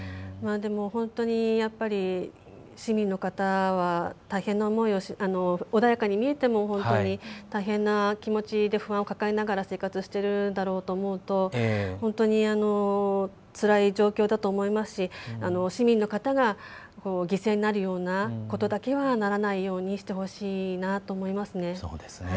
でも本当に市民の方は穏やかに見えても大変な気持ちで不安を抱えながら生活しているだろうと思うと本当に、つらい状況だと思いますし市民の方が犠牲になるようなことだけはならないようにしてほしいなと思いますね。